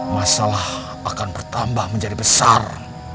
masalah akan bertambah menjadi besar